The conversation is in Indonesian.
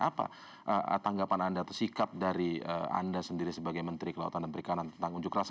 apa tanggapan anda atau sikap dari anda sendiri sebagai menteri kelautan dan perikanan tentang unjuk rasa